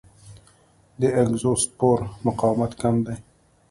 د اګزوسپور مقاومت کم دی.